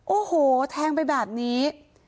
โอ้โหแทงไปแบบนี้